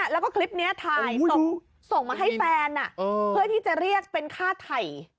แล้วก็คลิปนี้ถ่ายส่งมาให้แฟนเพื่อที่จะเรียกเป็นค่าถ่าย